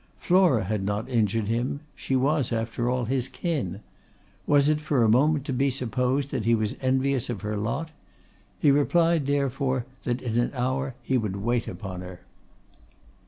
Flora had not injured him. She was, after all, his kin. Was it for a moment to be supposed that he was envious of her lot? He replied, therefore, that in an hour he would wait upon her.